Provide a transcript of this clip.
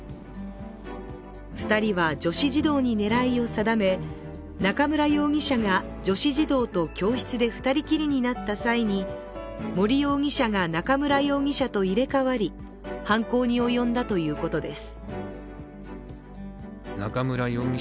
２人は女子児童に狙いを定め、中村容疑者が女子児童と教室で２人きりになった際に森容疑者が中村容疑者と入れ替わり犯行に及んだということです。